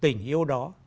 tình yêu đó